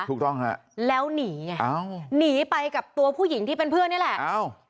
ถูกต้องฮะแล้วหนีไงอ้าวไงหนีไปกับตัวผู้หญิงที่เป็นเพื่อนนี่แหละอ้าว